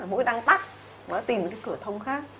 mũi đang tắt nó tìm cái cửa thông khác